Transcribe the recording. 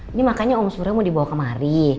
ini makanya om surya mau dibawa kemari